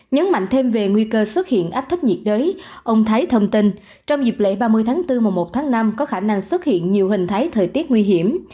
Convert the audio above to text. nhấn mạnh thêm về nguy cơ xuất hiện áp thấp nhiệt đới ông thái thông tin trong dịp lễ ba mươi tháng bốn mùa một tháng năm có khả năng xuất hiện nhiều hình thái thời tiết nguy hiểm